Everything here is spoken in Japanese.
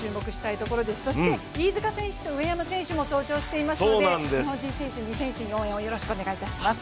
そして、飯塚選手と上山選手も登場していますので日本人選手、２選手の応援よろしくお願いいたします。